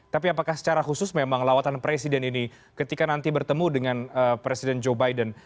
tapi apakah secara khusus memang lawatan presiden ini ketika nanti bertemu dengan presiden joe biden